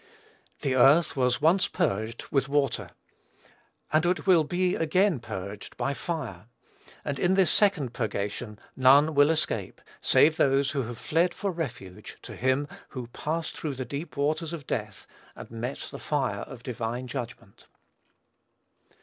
The earth was once purged with water; and it will be again purged by fire; and in this second purgation none will escape, save those, who have fled for refuge to him who has passed through the deep waters of death, and met the fire of divine judgment.